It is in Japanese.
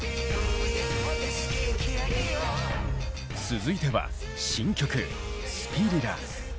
続いては新曲「スピリラ」。